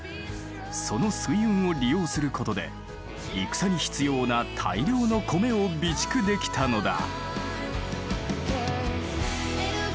その水運を利用することで戦に必要な大量の米を備蓄できたのだ。